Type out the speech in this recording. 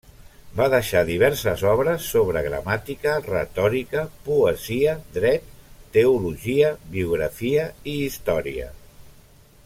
Va deixar diverses obres sobre gramàtica, retòrica, poesia, dret, teologia, biografia i història.